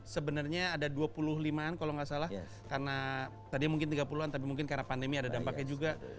sebenarnya ada dua puluh lima an kalau nggak salah karena tadinya mungkin tiga puluh an tapi mungkin karena pandemi ada dampaknya juga